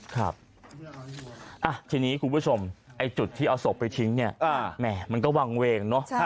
ครับทีนี้คุณผู้ชมจุดที่เอาศพไปทิ้งมันก็วางเวง